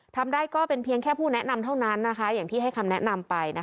ทำได้ก็เป็นเพียงแค่ผู้แนะนำเท่านั้นอย่างที่ให้คำแนะนำไป